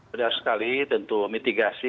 sudah sekali tentu mitigasi